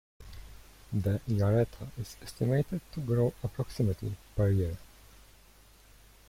The yareta is estimated to grow approximately per year.